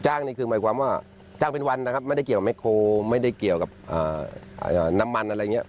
นี่คือหมายความว่าจ้างเป็นวันนะครับไม่ได้เกี่ยวกับแคลไม่ได้เกี่ยวกับน้ำมันอะไรอย่างนี้